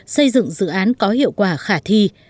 xây dựng dự án có hiệu quả khả thi